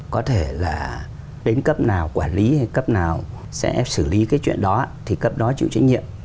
có thể là đến cấp nào quản lý hay cấp nào sẽ xử lý cái chuyện đó thì cấp đó chịu trách nhiệm